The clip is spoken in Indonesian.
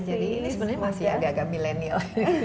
jadi ini sebenarnya masih agak milenial